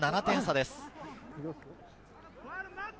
１７点差です。